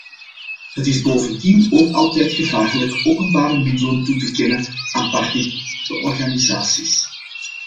Het is bovendien ook altijd gevaarlijk openbare middelen toe te kennen aan particuliere organisaties.